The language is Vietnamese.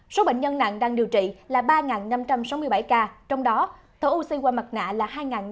số bệnh nhân nặng đang điều trị là ba năm trăm sáu mươi bảy ca trong đó thở oxy qua mặt nạ là hai năm trăm ba mươi chín